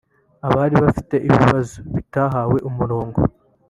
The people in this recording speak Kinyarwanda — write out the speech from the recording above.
Abari bafite ibibazo bitahawe umurongo